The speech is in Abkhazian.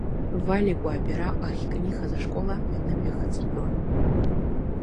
Валикәа абираҟ ахькнихыз ашкол амҩа нымҩахыҵ игылан.